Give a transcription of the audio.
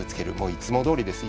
いつもどおりです。